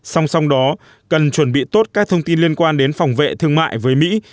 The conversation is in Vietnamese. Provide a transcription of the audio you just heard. song song đó cần chuẩn bị tốt các thông tin liên quan đến phòng vệ thương mại với mỹ